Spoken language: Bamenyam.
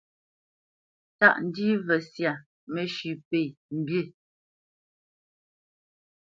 Tâʼ ndî mvə syâ mə́shʉ̄ pə̂ mbî.